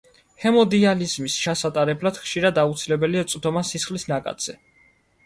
ჰემოდიალიზის ჩასატარებლად ხშირად აუცილებელია წვდომა სისხლის ნაკადზე.